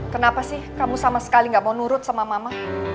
kenapa sih kamu sama sekali gak mau nurut sama mama